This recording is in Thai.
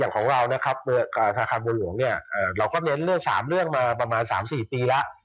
อย่างของเรานะครับฐาคาบริหวงเราก็เลือก๓เรื่องมาประมาณ๓๔ปีแล้ว